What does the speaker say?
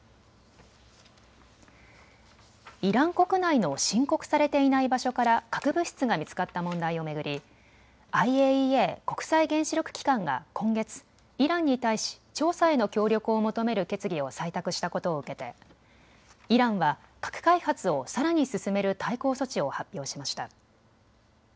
イラン国内の申告されていない場所から核物質が見つかった問題を巡り、ＩＡＥＡ・国際原子力機関が今月イランに対し調査への協力を求める決議を採択したことを受けてイランは核開発をさらに進める対抗措置を発表しました。